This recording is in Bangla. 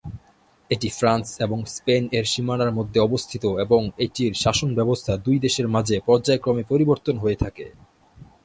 এটি ফ্রান্স এবং স্পেন এর সীমানার মাঝে অবস্থিত এবং এটির শাসনব্যবস্থা দুই দেশের মাঝে পর্যায়ক্রমে পরিবর্তন হয়ে থাকে।